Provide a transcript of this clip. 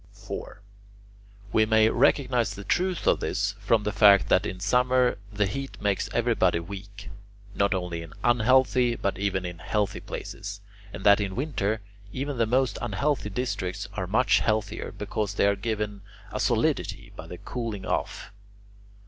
4. We may also recognize the truth of this from the fact that in summer the heat makes everybody weak, not only in unhealthy but even in healthy places, and that in winter even the most unhealthy districts are much healthier because they are given a solidity by the cooling off.